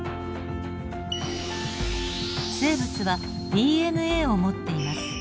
生物はＤＮＡを持っています。